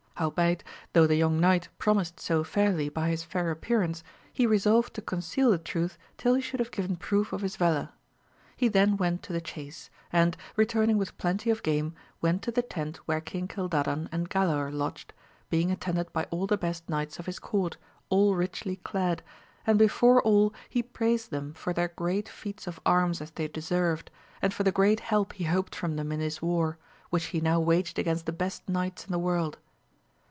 Howbeit, though the young knight promised so fairly by his fair appearance, he resolved to conceal the truth till he should have given proof of his valour. He then went to the chace, and, returning with plenty of game, went to the tent where King Gildadan and Galaor lodged, being attended by all the best knights of his court, all richly clad, and before all he praised them for th^ great feats of arms as they deserved, and for the great help he hoped from them in this war, which he now waged against the best knights in the world.